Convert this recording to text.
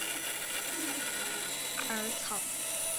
矮小虎耳草为虎耳草科虎耳草属下的一个种。